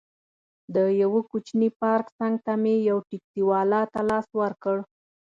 د یوه کوچني پارک څنګ ته مې یو ټکسي والا ته لاس ورکړ.